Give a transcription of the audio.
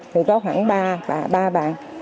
thì có khoảng ba bạn